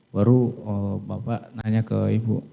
baru bapak nanya ke ibu